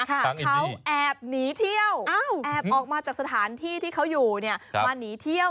เขาแอบหนีเที่ยวแอบออกมาจากสถานที่ที่เขาอยู่เนี่ยมาหนีเที่ยว